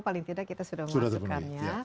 paling tidak kita sudah memasukkannya